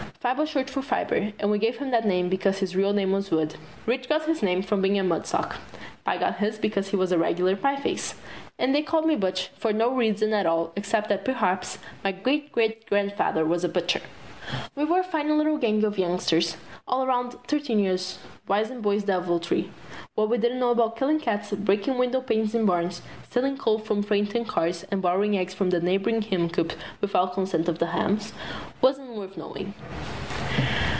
Fibe was short for Fiber, and we gave him that name because his real name was Wood. Rich got his name from being a mudsock. Pie got his because he was a regular pieface. And they called me Butch for no reason at all except that perhaps my great great grandfather was a butcher. We were a fine gang of youngsters, all about thirteen years, wise in boys' deviltry. What we didn't know about killing cats, breaking window panes in barns, stealing coal from freight cars, and borrowing eggs from neighboring hencoops without consent of the hens, wasn't worth the knowing.